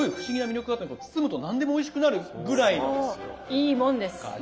いいもんです。